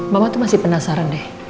bapak tuh masih penasaran deh